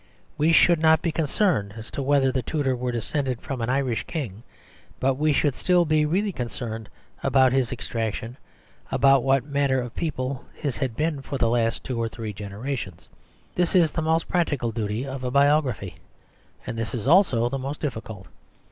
We should not be concerned as to whether the tutor were descended from an Irish king, but we should still be really concerned about his extraction, about what manner of people his had been for the last two or three generations. This is the most practical duty of biography, and this is also the most difficult.